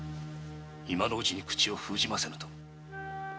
今のうちに口を封じませぬと。